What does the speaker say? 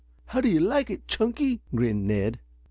"How do you like it, Chunky?" grinned Ned.